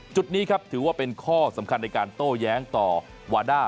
จุดนี้ครับถือว่าเป็นข้อสำคัญในการโต้แย้งต่อวาด้า